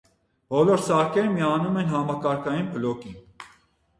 Բոլոր սարքերը միանում են համակարգային բլոկին։